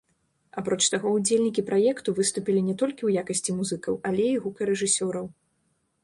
Апроч таго, удзельнікі праекту выступілі не толькі ў якасці музыкаў, але і гукарэжысёраў.